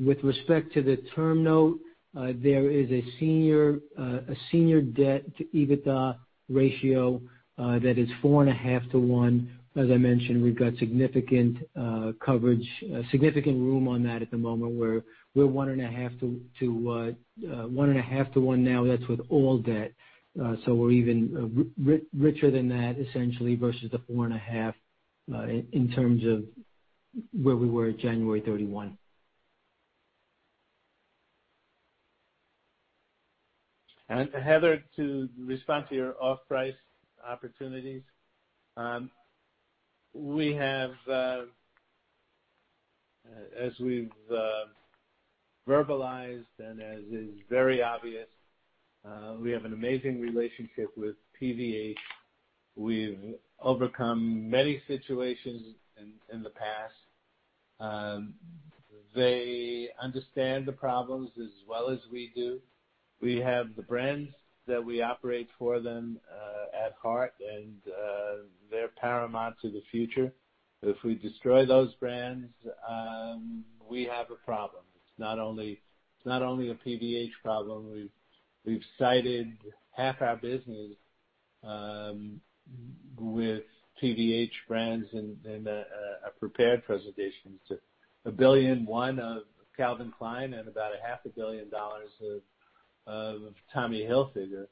With respect to the term note, there is a senior debt to EBITDA ratio that is 4.5:1. As I mentioned, we've got significant room on that at the moment, where we're 1.5:1 now. That's with all debt. We're even richer than that, essentially, versus the 4.5 in terms of where we were January 31, 2020.
Heather, to respond to your off-price opportunities. As we've verbalized and as is very obvious, we have an amazing relationship with PVH. We've overcome many situations in the past. They understand the problems as well as we do. We have the brands that we operate for them at heart, and they're paramount to the future. If we destroy those brands, we have a problem. It's not only a PVH problem. We've cited half our business with PVH brands in a prepared presentation to $1 billion of Calvin Klein and about a $500 million of Tommy Hilfiger.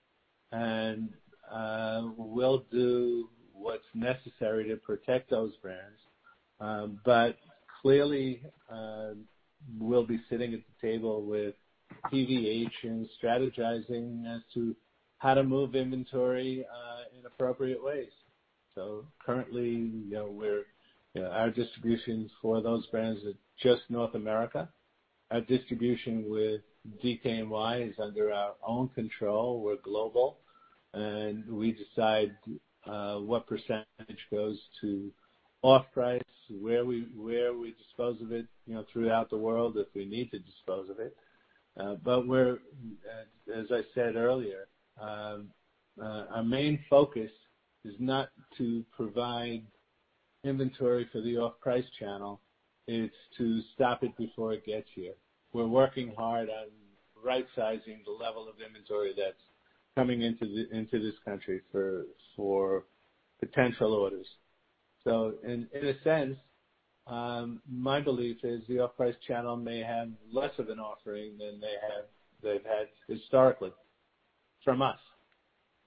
We'll do what's necessary to protect those brands. Clearly, we'll be sitting at the table with PVH and strategizing as to how to move inventory in appropriate ways. Currently, our distributions for those brands are just North America. Our distribution with DKNY is under our own control. We're global. We decide what percentage goes to off-price, where we dispose of it throughout the world, if we need to dispose of it. As I said earlier, our main focus is not to provide inventory for the off-price channel. It's to stop it before it gets here. We're working hard on right-sizing the level of inventory coming into this country for potential orders. In a sense, my belief is the off-price channel may have less of an offering than they've had historically from us.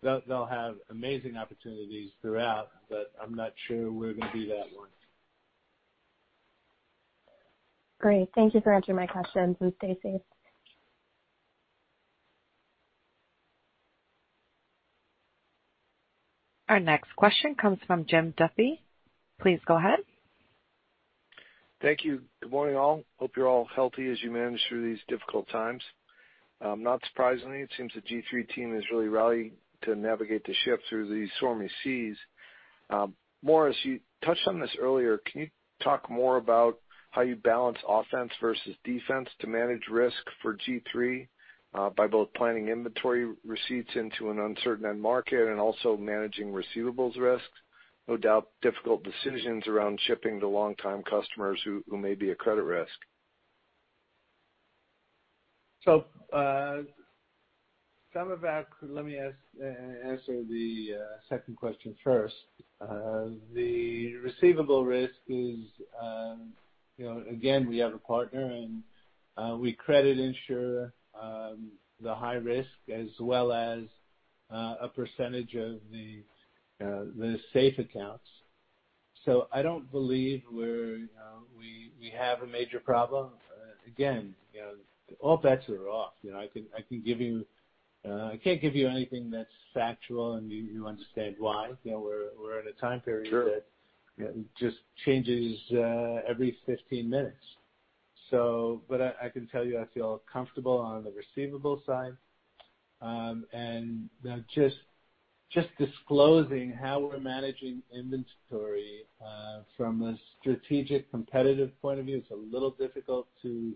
They'll have amazing opportunities throughout, but I'm not sure we're going to be that one.
Great. Thank you for answering my questions, and stay safe.
Our next question comes from Jim Duffy. Please go ahead.
Thank you. Good morning, all. Hope you're all healthy as you manage through these difficult times. Not surprisingly, it seems the G-III team has really rallied to navigate the ship through these stormy seas. Morris, you touched on this earlier. Can you talk more about how you balance offense versus defense to manage risk for G-III, by both planning inventory receipts into an uncertain end market and also managing receivables risks? No doubt, difficult decisions around shipping to long-time customers who may be a credit risk.
Some of that, let me answer the second question first. The receivable risk is, again, we have a partner, and we credit insure the high risk as well as a percentage of the safe accounts. I don't believe we have a major problem. Again, all bets are off. I can't give you anything that's factual, and you understand why. We're in a time period.
Sure.
That just changes every 15 minutes. I can tell you, I feel comfortable on the receivables side. Just disclosing how we're managing inventory from a strategic competitive point of view, it's a little difficult to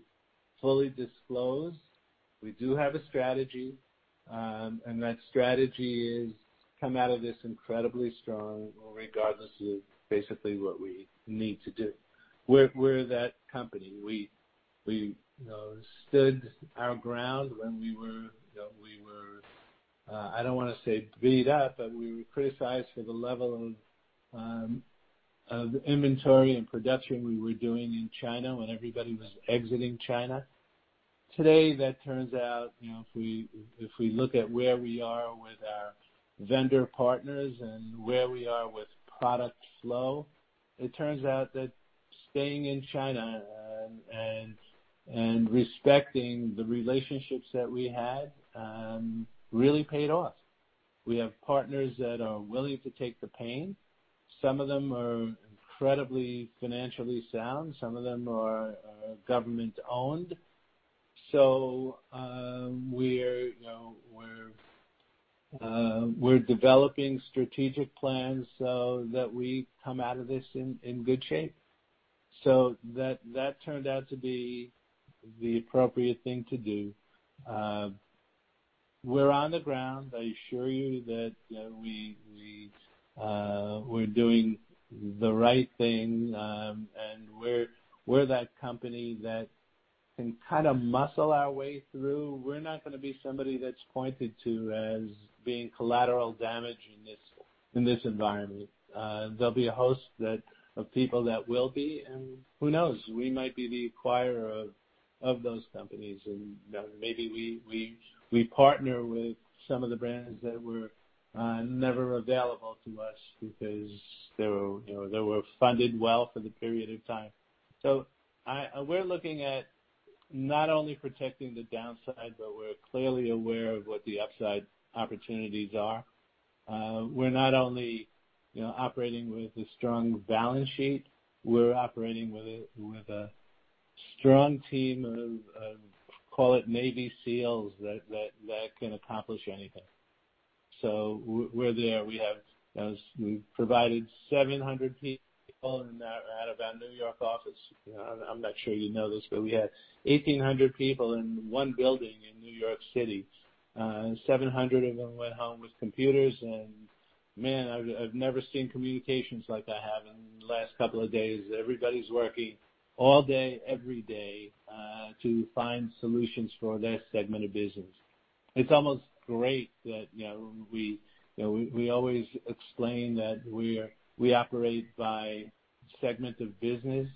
fully disclose. We do have a strategy, and that strategy is come out of this incredibly strong, regardless of basically what we need to do. We're that company. We stood our ground when we were, I don't want to say beat up, but we were criticized for the level of inventory and production we were doing in China when everybody was exiting China. Today, that turns out, if we look at where we are with our vendor partners and where we are with product flow, it turns out that staying in China and respecting the relationships that we had really paid off. We have partners that are willing to take the pain. Some of them are incredibly financially sound. Some of them are government-owned. We're developing strategic plans so that we come out of this in good shape. That turned out to be the appropriate thing to do. We're on the ground. I assure you that we're doing the right thing, and we're that company that can kind of muscle our way through. We're not going to be somebody that's pointed to as being collateral damage in this environment. There'll be a host of people that will be, and who knows? We might be the acquirer of those companies, and maybe we partner with some of the brands that were never available to us because they were funded well for the period of time. We're looking at not only protecting the downside, but we're clearly aware of what the upside opportunities are. We're not only operating with a strong balance sheet, we're operating with a strong team of, call it Navy SEALs, that can accomplish anything. We're there. We provided 700 people out of our New York office. I'm not sure you know this, but we had 1,800 people in one building in New York City. 700 of them went home with computers, and man, I've never seen communications like I have in the last couple of days. Everybody's working all day, every day, to find solutions for their segment of business. It's almost great that we always explain that we operate by segment of business.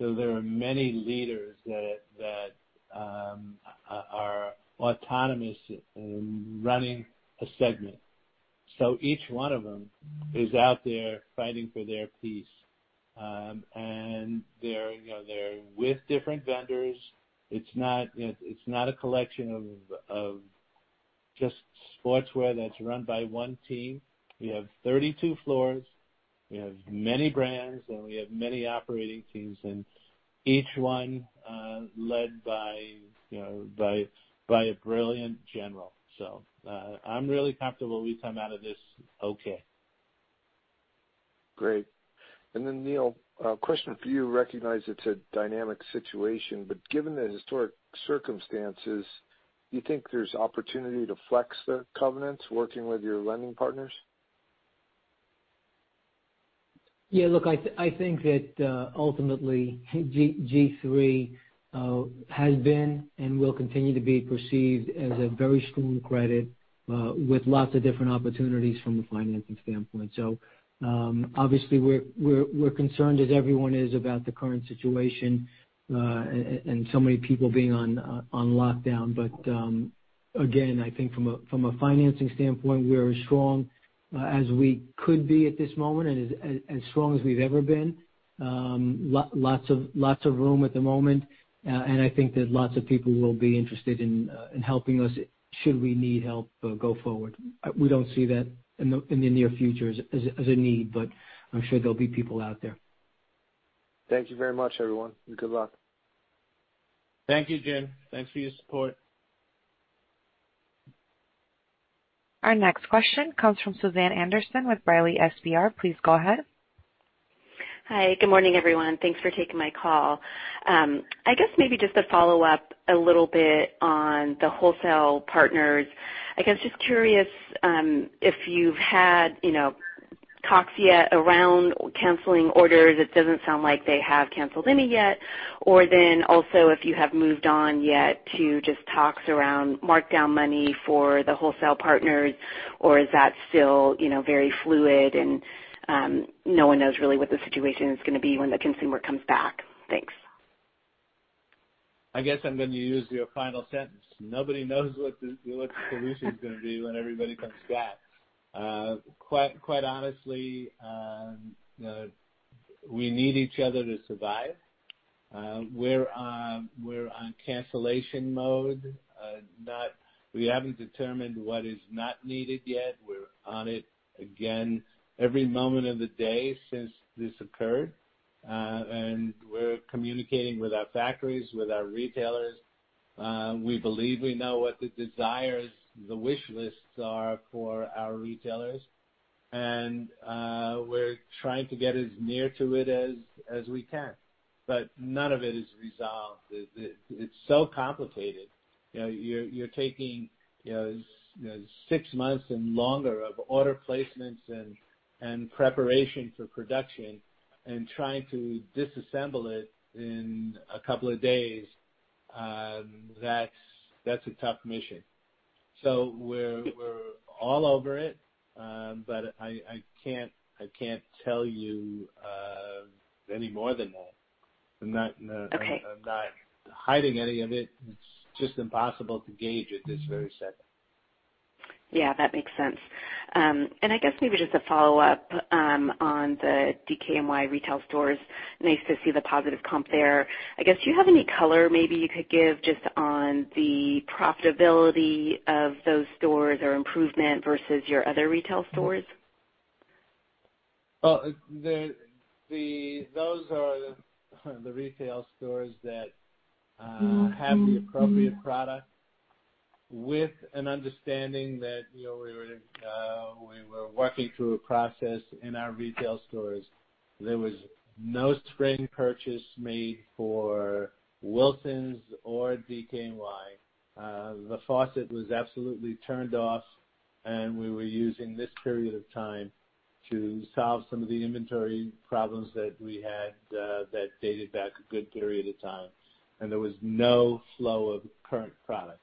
There are many leaders that are autonomous in running a segment. Each one of them is out there fighting for their piece. They're with different vendors. It's not a collection of just sportswear that's run by one team. We have 32 floors, we have many brands, and we have many operating teams, and each one led by a brilliant general. I'm really comfortable we come out of this okay.
Great. Then, Neal, a question for you. Recognize it's a dynamic situation, but given the historic circumstances, do you think there's opportunity to flex the covenants working with your lending partners?
Yeah, look, I think that ultimately G-III has been and will continue to be perceived as a very strong credit with lots of different opportunities from a financing standpoint. Obviously we're concerned as everyone is about the current situation, and so many people being on lockdown. Again, I think from a financing standpoint, we are as strong as we could be at this moment and as strong as we've ever been. Lots of room at the moment, and I think that lots of people will be interested in helping us should we need help go forward. We don't see that in the near future as a need, but I'm sure there'll be people out there.
Thank you very much, everyone, and good luck.
Thank you, Jim. Thanks for your support.
Our next question comes from Susan Anderson with B. Riley FBR. Please go ahead.
Hi, good morning, everyone. Thanks for taking my call. I guess maybe just to follow up a little bit on the wholesale partners. I guess just curious, if you've had talks yet around canceling orders. It doesn't sound like they have canceled any yet, or also if you have moved on yet to just talks around markdown money for the wholesale partners, or is that still very fluid and no one knows really what the situation is going to be when the consumer comes back? Thanks.
I guess I'm going to use your final sentence. Nobody knows what the solution's going to be when everybody comes back. Quite honestly, we need each other to survive. We're on cancellation mode. We haven't determined what is not needed yet. We're on it again every moment of the day since this occurred. We're communicating with our factories, with our retailers. We believe we know what the desires, the wish lists are for our retailers. We're trying to get as near to it as we can, but none of it is resolved. It's so complicated. You're taking six months and longer of order placements and preparation for production and trying to disassemble it in a couple of days. That's a tough mission. We're all over it. I can't tell you any more than that.
Okay.
I'm not hiding any of it. It's just impossible to gauge at this very second.
Yeah, that makes sense. I guess maybe just a follow-up on the DKNY retail stores. Nice to see the positive comp there. I guess, do you have any color maybe you could give just on the profitability of those stores or improvement versus your other retail stores?
Those are the retail stores that have the appropriate product with an understanding that we were working through a process in our retail stores. There was no spring purchase made for Wilsons or DKNY. The faucet was absolutely turned off, and we were using this period of time to solve some of the inventory problems that we had that dated back a good period of time. There was no flow of current product.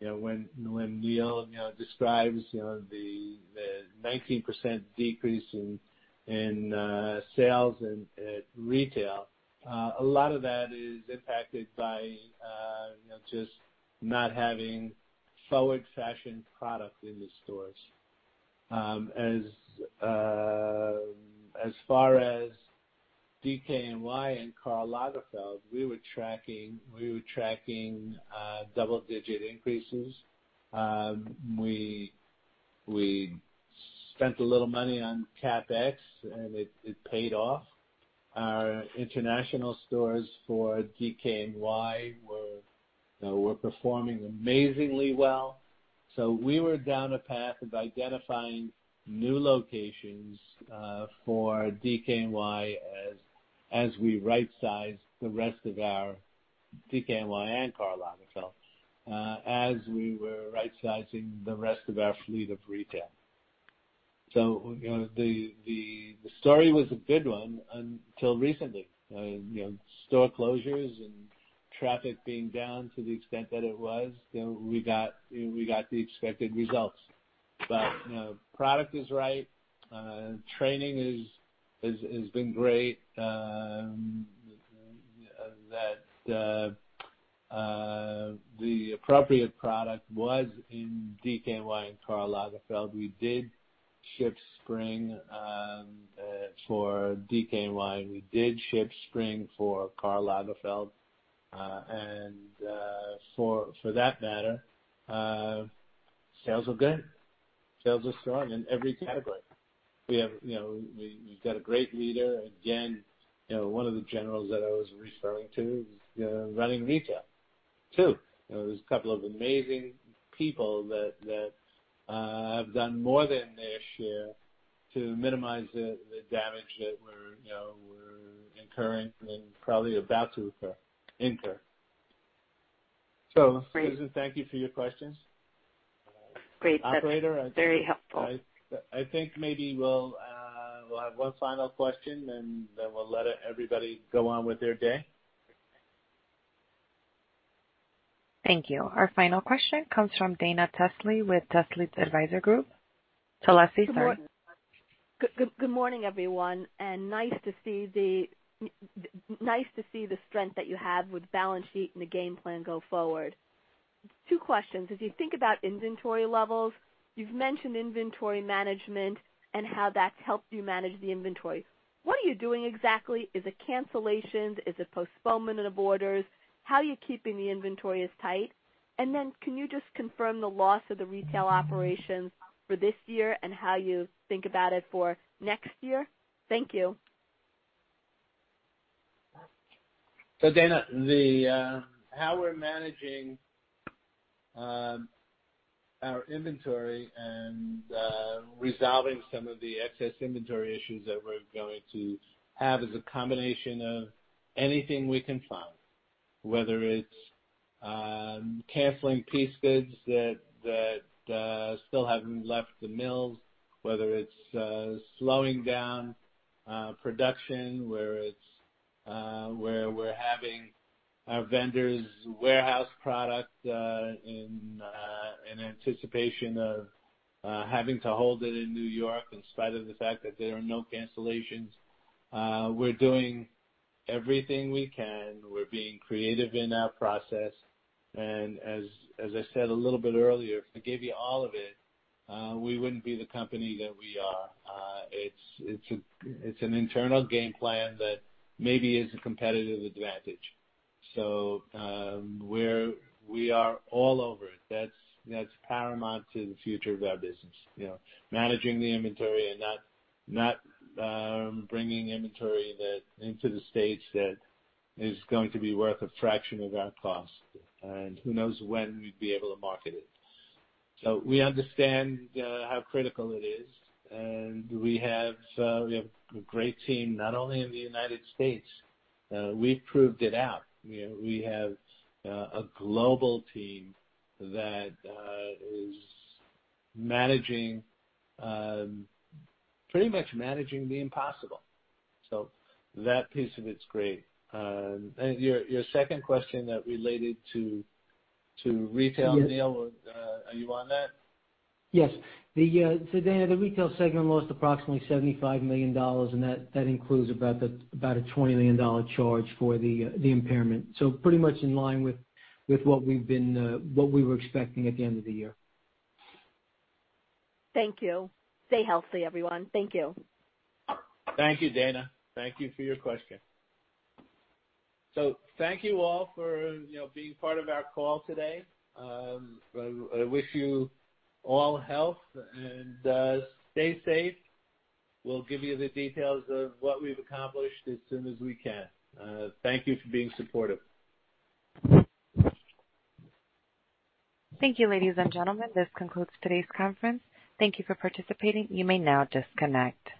When Neal describes the 19% decrease in sales at retail, a lot of that is impacted by just not having forward-fashion product in the stores. As far as DKNY and Karl Lagerfeld, we were tracking double-digit increases. We spent a little money on CapEx, and it paid off. Our international stores for DKNY were performing amazingly well. We were down a path of identifying new locations for DKNY as we right-sized the rest of our DKNY and Karl Lagerfeld as we were right-sizing the rest of our fleet of retail. Store closures and traffic being down to the extent that it was, we got the expected results. Product is right. Training has been great. The appropriate product was in DKNY and Karl Lagerfeld. We did ship spring for DKNY. We did ship spring for Karl Lagerfeld. For that matter, sales are good. Sales are strong in every category. We've got a great leader. Again, one of the generals that I was referring to is running retail, too. There's a couple of amazing people that have done more than their share to minimize the damage that we're incurring and probably about to incur. Susan, thank you for your questions.
Great.
Operator?
Very helpful.
I think maybe we'll have one final question, and then we'll let everybody go on with their day.
Thank you. Our final question comes from Dana Telsey with Telsey Advisory Group. Telsey, sorry.
Good morning, everyone. Nice to see the strength that you have with balance sheet and the game plan go forward. Two questions. As you think about inventory levels, you've mentioned inventory management and how that's helped you manage the inventory. What are you doing exactly? Is it cancellations? Is it postponement of orders? How are you keeping the inventories tight? Can you just confirm the loss of the retail operations for this year and how you think about it for next year? Thank you.
Dana, how we're managing our inventory and resolving some of the excess inventory issues that we're going to have is a combination of anything we can find, whether it's canceling piece goods that still haven't left the mills, whether it's slowing down production, where we're having our vendors warehouse product in anticipation of having to hold it in New York, in spite of the fact that there are no cancellations. We're doing everything we can. We're being creative in our process, and as I said a little bit earlier, if I gave you all of it, we wouldn't be the company that we are. It's an internal game plan that maybe is a competitive advantage. We are all over it. That's paramount to the future of our business. Managing the inventory and not bringing inventory into the stage that is going to be worth a fraction of our cost, and who knows when we'd be able to market it. We understand how critical it is, and we have a great team, not only in the United States. We've proved it out. We have a global team that is pretty much managing the impossible. That piece of it's great. Your second question that related to retail.
Yes.
Neal, are you on that?
Yes. Dana, the retail segment lost approximately $75 million, and that includes about a $20 million charge for the impairment. Pretty much in line with what we were expecting at the end of the year.
Thank you. Stay healthy, everyone. Thank you.
Thank you, Dana. Thank you for your question. Thank you all for being part of our call today. I wish you all health, and stay safe. We'll give you the details of what we've accomplished as soon as we can. Thank you for being supportive.
Thank you, ladies and gentlemen. This concludes today's conference. Thank you for participating. You may now disconnect.